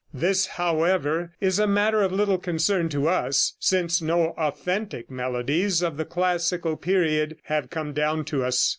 This, however, is a matter of little concern to us, since no authentic melodies of the classical period have come down to us.